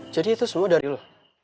jadi itu semua dari lo